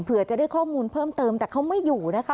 เผื่อจะได้ข้อมูลเพิ่มเติมแต่เขาไม่อยู่นะคะ